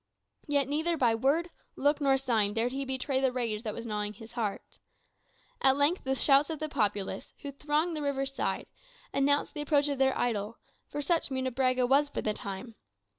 Yet neither by word, look, nor sign dared he betray the rage that was gnawing his heart. At length the shouts of the populace, who thronged the river's side, announced the approach of their idol; for such Munebrãga was for the time.